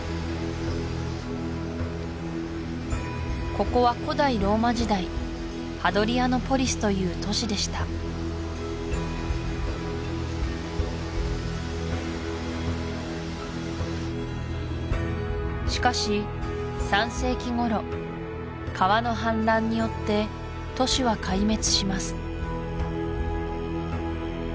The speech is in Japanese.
ここは古代ローマ時代という都市でしたしかし３世紀頃川の氾濫によって都市は壊滅します